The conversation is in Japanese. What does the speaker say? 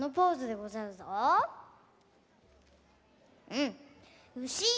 うん。